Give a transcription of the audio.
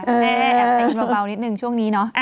แอบติ๊กเบานิดหนึ่งช่วงนี้เนอะ